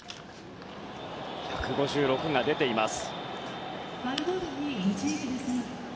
１５６が出ています。